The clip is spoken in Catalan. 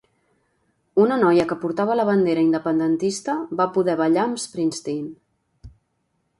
Una noia que portava la bandera independentista va poder ballar amb Springsteen.